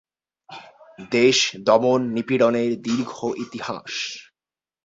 দেশ দমন নিপীড়নের দীর্ঘ ইতিহাস।